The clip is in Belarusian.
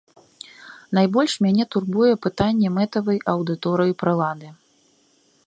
Найбольш мяне турбуе пытанне мэтавай аўдыторыі прылады.